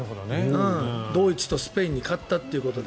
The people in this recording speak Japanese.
ドイツとスペインに勝ったということで。